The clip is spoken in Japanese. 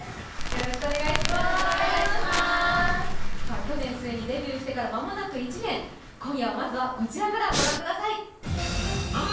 去年末にデビューしてから間もなく１年今夜はまずはこちらから御覧ください。